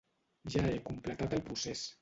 Ja he completat el procés.